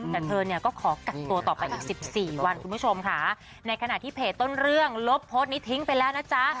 แต่เธอเนี่ยก็ขอกักตัวต่อไปอีกสิบสี่วันคุณผู้ชมค่ะในขณะที่เพจต้นเรื่องลบโพสต์นี้ทิ้งไปแล้วนะจ๊ะ